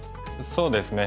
そうですね